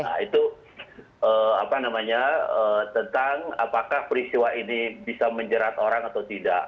nah itu apa namanya tentang apakah peristiwa ini bisa menjerat orang atau tidak